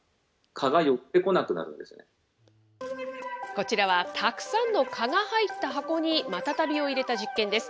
こちらはたくさんの蚊が入った箱にマタタビを入れた実験です。